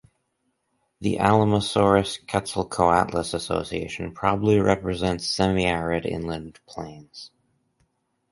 The "Alamosaurus"-"Quetzalcoatlus" association probably represents semi-arid inland plains.